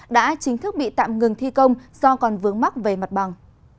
đã chính thức bị tạm ngừng thi công do còn vướng mắc về mặt bằng